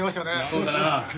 そうだなあ